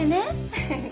フフフ。